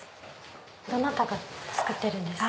どなたが作ってるんですか？